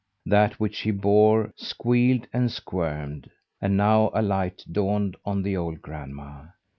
That which he bore squealed and squirmed. And now a light dawned on the old grandma.